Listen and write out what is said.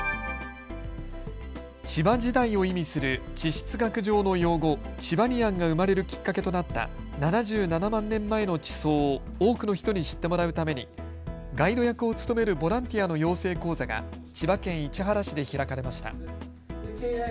千葉時代を意味する地質学上の用語、チバニアンが生まれるきっかけとなった７７万年前の地層を多くの人に知ってもらうためにガイド役を務めるボランティアの養成講座が千葉県市原市で開かれました。